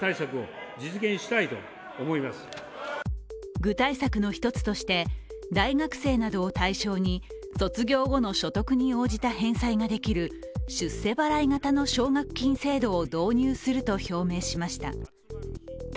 具体策の１つとして大学生などを対象に卒業後の所得に応じた返済ができる出世払い型の奨学金制度を導入すると表明しました。